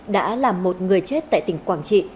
đã làm một người chết tại tỉnh quảng trị